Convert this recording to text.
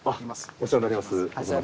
お世話になります。